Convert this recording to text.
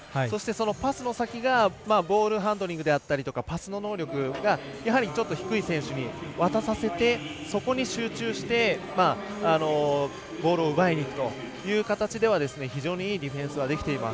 パスの先がボールハンドリングだったりパスの能力が低い選手に渡させてそこに集中して、ボールを奪いにいくという形では非常にいいディフェンスができています。